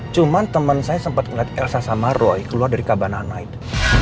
cuman temen saya sempat ngeliat elsa sama roy keluar dari kabana night